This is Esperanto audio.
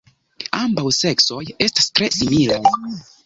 Ambaŭ seksoj estas tre similaj.